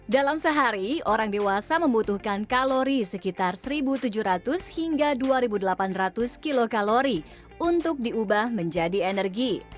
dalam sehari orang dewasa membutuhkan kalori sekitar satu tujuh ratus hingga dua delapan ratus kilokalori untuk diubah menjadi energi